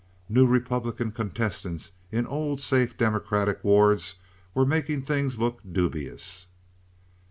New Republican contestants in old, safe Democratic wards were making things look dubious.